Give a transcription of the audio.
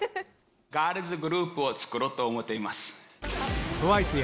ガールズグループをつくろうと思っています。